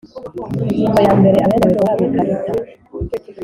Ingingo ya mbere Abemerewe guhabwa ikarita